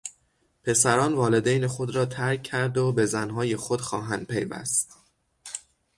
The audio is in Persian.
پسران والدین خود را ترک کرده و به زنهای خود خواهند پیوست.